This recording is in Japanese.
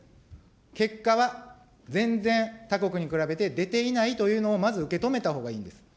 結果は全然他国に比べて出ていないというのを、まず受け止めたほうがいいんです。